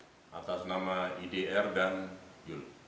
telah menetapkan dua tersangka atas nama idr dan yul